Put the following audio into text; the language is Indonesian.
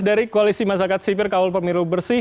dari koalisi masyarakat sipir kawal pemilu bersih